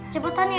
cepetan ya bi